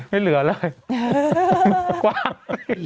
ไม่เหลืออะไร